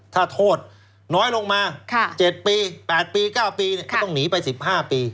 ถ้าโทษน้อยลงมา๗ปี๘ปี๙ปีก็ต้องหนีไป๑๕ปี